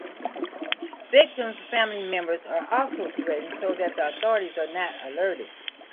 Victims’ family members are also threatened so that the authorities are not alerted.